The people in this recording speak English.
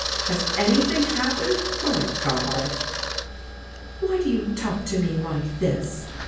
Has 'anything happened'? My God!" "Why do you talk to me hke this?"